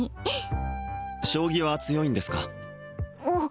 将棋は強いんですか？